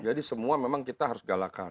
jadi semua memang kita harus galakan